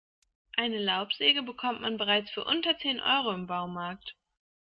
Eine Laubsäge bekommt man bereits für unter zehn Euro im Baumarkt.